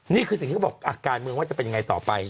นี่คือสิ่งที่เขาบอกการเมืองว่าจะเป็นยังไงต่อไป